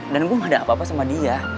dan gue gak ada apa apa sama dia